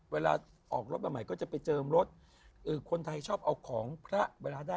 เวลาออกรถมาใหม่ก็จะไปเจิมรถเออคนไทยชอบเอาของพระเวลาได้